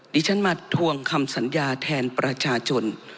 ดิฉันมาทวงคำสัญญาแทนประชาชน